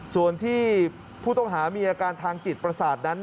ส่วนที่ผู้ต้องหามีอาการทางจิตประสาทนั้น